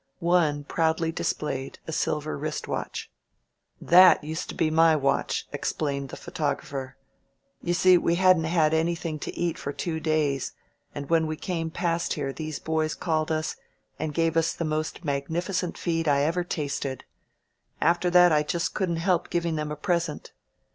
One proudly displayed a silver wrist watch. "That used to be my watch," explained the pho tographer. "You see we hadn't had anything to eat for two days, and when we came past here these boys called us and gave us the most magnificent feed I have ever tasted. After that I just couldn't help giving them a present!"